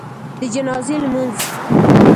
د جنازي لمونځ